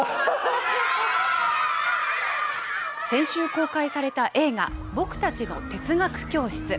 先週公開された映画、ぼくたちの哲学教室。